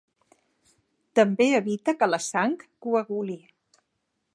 També evita que la sang coaguli.